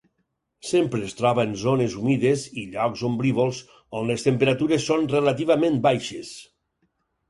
Sempre es troba en zones humides i llocs ombrívols on les temperatures són relativament baixes.